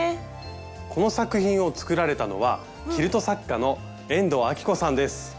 この作品を作られたのはキルト作家の遠藤亜希子さんです。